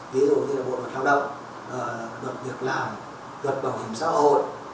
ví dụ như là bộ luật lao động luật việc làm luật bảo hiểm xã hội